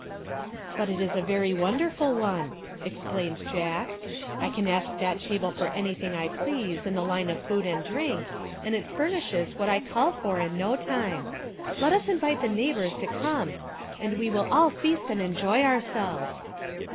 " But it is a very wonderful one," explained Jack. " I can ask that table for anything I please in the line of food and drink and it furnishes what I call 296 THE DONKEY, THE TABLE, AND THE STICK for in no time. Let us invite the neighbors to come and we will all feast and enjoy ourselves."